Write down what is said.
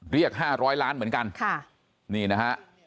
เรียก๕๐๐ล้านเหมือนกันค่ะนี่นะฮะ